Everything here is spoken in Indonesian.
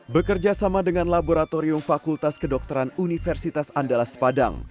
bekerja sama dengan laboratorium fakultas kedokteran universitas andalas padang